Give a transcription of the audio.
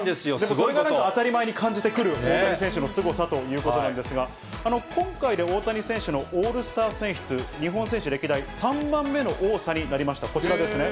それが当たり前に感じてくる大谷選手のすごさということなんですが、今回で大谷選手のオールスター選出、日本選手歴代３番目の多さになりました、こちらですね。